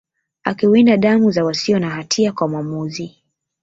akiwinda damu za wasio na hatia kwa mwamuzi